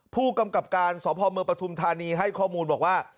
ผู้กำกับการสบปฐานีให้ข้อมูลบอกว่า